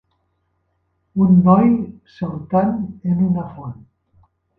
Un noi saltant en una font.